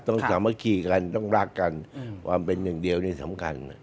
สามัคคีกันต้องรักกันความเป็นอย่างเดียวนี่สำคัญ